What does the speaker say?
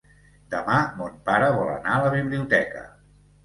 Demà mon pare vol anar a la biblioteca.